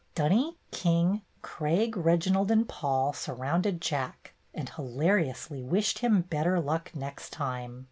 Dunny, King, Craig, Reginald, and Paul surrounded Jack, and hilariously wished him better luck next time.